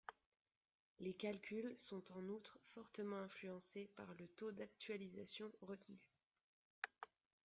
Les calculs sont en outre fortement influencés par le taux d’actualisation retenu.